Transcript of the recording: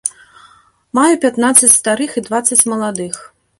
Маю пятнаццаць старых і дваццаць маладых.